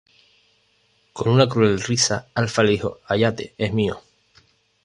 Con una cruel risa, Alpha le dijo: "Hayate es mío".